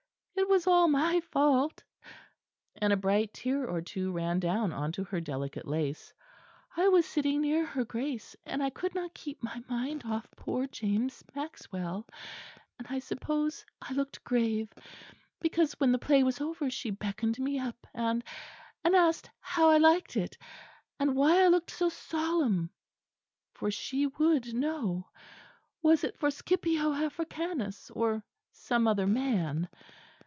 "It was all my fault," and a bright tear or two ran down on to her delicate lace. "I was sitting near her Grace, and I could not keep my mind off poor James Maxwell; and I suppose I looked grave, because when the play was over, she beckoned me up, and and asked how I liked it, and why I looked so solemn for she would know was it for Scipio Africanus, or some other man?